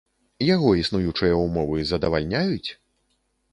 Яго існуючыя ўмовы задавальняюць?